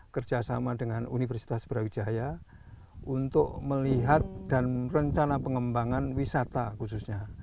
kerjasama dengan universitas brawijaya untuk melihat dan rencana pengembangan wisata khususnya